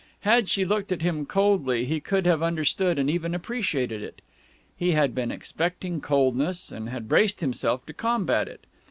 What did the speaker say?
Had she looked at him coldly, he could have understood and even appreciated it. He had been expecting coldness, and had braced himself to combat it.